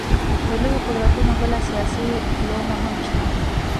د لویو قدرتونو بله سیاسي لومه هم شته.